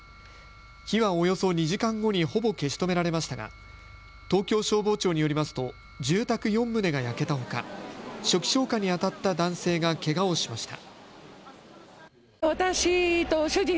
火はおよそ２時間後にほぼ消し止められましたが東京消防庁によりますと住宅４棟が焼けたほか初期消火にあたった男性がけがをしました。